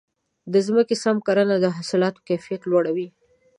د ځمکې سم کرنه د حاصلاتو کیفیت لوړوي.